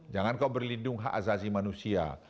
jangan kau berlindung hak azazi manusia